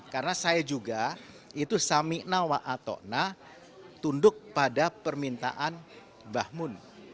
karena saya juga itu samikna wa atokna tunduk pada permintaan mbah mun